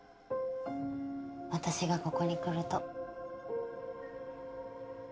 私がここに来ると。